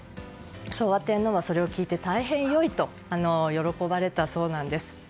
昭和天皇がそれを聞いて大変良いと喜ばれたそうなんです。